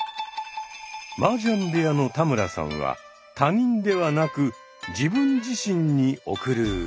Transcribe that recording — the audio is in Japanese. マージャン部屋の田村さんは他人ではなく自分自身に贈る歌。